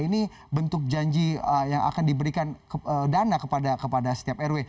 ini bentuk janji yang akan diberikan dana kepada setiap rw